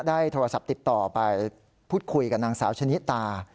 ได้โทรศัพท์ติดต่อไปพูดคุยกับนางสาวชะนิตา